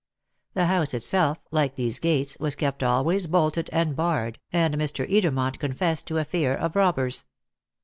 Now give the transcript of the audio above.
The house itself, like these gates, was kept always bolted and barred, and Mr. Edermont confessed to a fear of robbers.